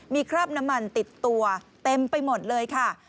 มีคราบน้ำมันติดตัวเต็มไปหมดเลยค่ะ